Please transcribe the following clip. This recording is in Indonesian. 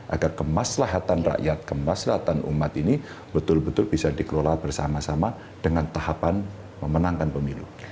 agar kemaslahatan rakyat kemaslahatan umat ini betul betul bisa dikelola bersama sama dengan tahapan memenangkan pemilu